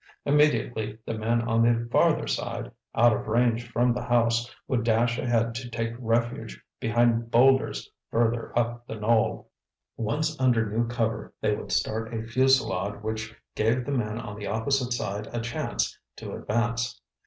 Immediately the men on the farther side, out of range from the house, would dash ahead to take refuge behind boulders further up the knoll. Once under new cover, they would start a fusillade which gave the men on the opposite side a chance to advance.